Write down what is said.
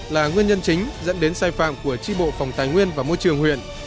là nguyên nhân chính dẫn đến sai phạm của tri bộ phòng tài nguyên và môi trường huyện